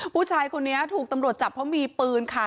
ผู้ชายคนนี้ถูกตำรวจจับเพราะมีปืนค่ะ